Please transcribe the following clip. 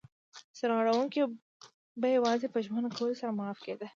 سرغړونکی به یوازې په ژمنه کولو سره معاف کېده.